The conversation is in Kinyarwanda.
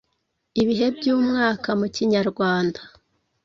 Ibihe by’umwaka mu Kinyarwanda